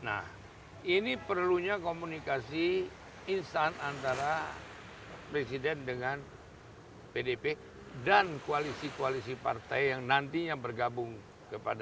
nah ini perlunya komunikasi instan antara presiden dengan pdp dan koalisi koalisi partai yang nantinya berada di dalam pemerintahan